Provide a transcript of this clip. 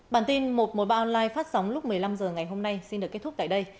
bản tin một mối báo online phát sóng lúc một mươi năm h ngày hôm nay xin được kết thúc tại đây